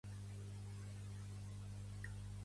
Quan va fer Carmen els articles per a la revista?